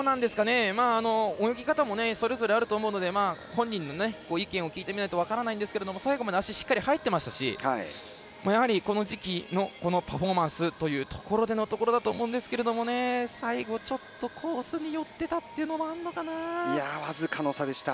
泳ぎ方もそれぞれあると思うので本人の意見を聞いてみないと分からないんですけど最後まで足、しっかり入ってましたしやはりこの時期のこのパフォーマンスというところだと思うんですけど最後、ちょっとコースに寄ってたというのも僅かの差でした。